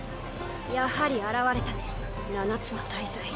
やはり現れたね七つの大罪。